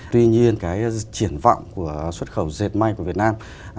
tuy nhiên cái triển vọng của xuất khẩu dệt may của việt nam